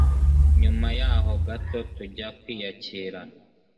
Nyuma yaho gato, tujya kwiyakira,